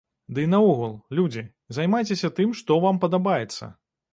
Дый наогул, людзі, займайцеся тым, што вам падабаецца.